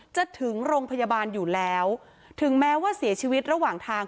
ถึงโรงพยาบาลอยู่แล้วถึงแม้ว่าเสียชีวิตระหว่างทาง